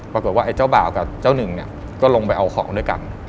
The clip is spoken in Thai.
ไอ้เจ้าบ่าวกับเจ้าหนึ่งเนี่ยก็ลงไปเอาของด้วยกัน